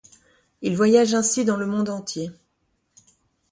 Il voyage ainsi dans le monde entier.